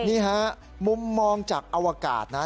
นี่ฮะมุมมองจากอวกาศนะ